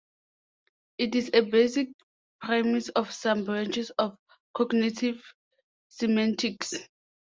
It is a basic premise of some branches of cognitive semantics.